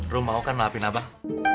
rum mau kan maafin abang